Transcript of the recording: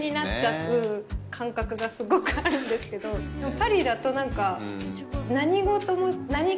パリだと何か。